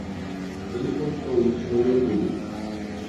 Ele postou isso no YouTube